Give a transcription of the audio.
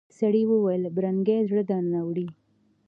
سړي وويل پرنګۍ زړه درنه وړی.